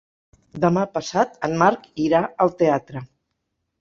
Demà passat en Marc irà al teatre.